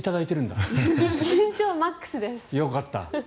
よかった。